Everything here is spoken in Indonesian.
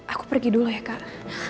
aku pergi dulu ya kak